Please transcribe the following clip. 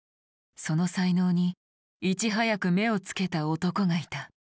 その才能にいち早く目をつけた男がいた。